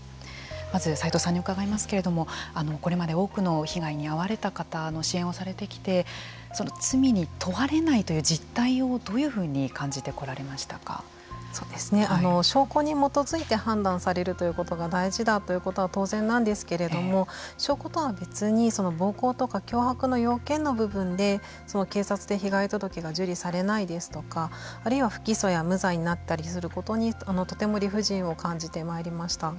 まず齋藤さんに伺いますけれどもこれまで多くの被害に遭われた方の支援をされてきて罪に問われないという実態をどういうふうに証拠に基づいて判断されるということが大事だということは当然なんですけれども証拠とは別に暴行とか脅迫の要件の部分で警察で被害届が受理されないですとかあるいは不起訴や無罪になったりすることにとても理不尽を感じてまいりました。